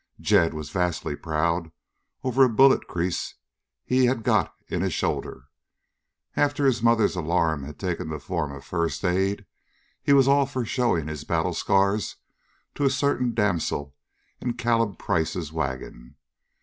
Jed was vastly proud over a bullet crease he had got in a shoulder. After his mother's alarm had taken the form of first aid he was all for showing his battle scars to a certain damsel in Caleb Price's wagon.